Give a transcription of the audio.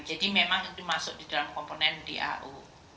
jadi memang itu masuk di dalam komponen dau